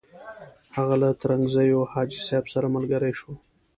هغه له ترنګزیو حاجي صاحب سره ملګری شو.